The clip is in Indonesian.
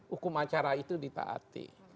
hukum acara itu ditaati